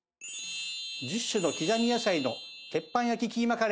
１０種の刻み野菜の鉄板焼きキーマカレーです。